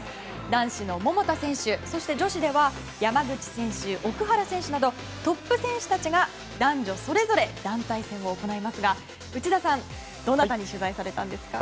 男子の桃田選手女子では山口選手奥原選手などトップ選手たちが男女それぞれ団体戦を行いますが、内田さんはどなたに取材されたんですか？